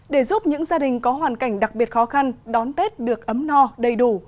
để giúp những gia đình có hoàn cảnh đặc biệt khó khăn đón tết được ấm no đầy đủ